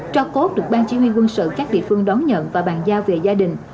trò cốt được ban chỉ huy quân sự các địa phương đón nhận và bàn giao về gia đình